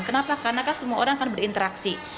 kenapa karena kan semua orang kan berinteraksi